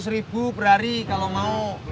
seratus ribu per hari kalau mau